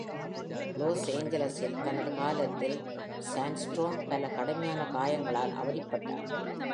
Loss ஏஞ்சல்ஸில் தனது காலத்தில் சாண்ட்ஸ்ட்ரோம் பல கடுமையான காயங்களால் அவதிப்பட்டார்.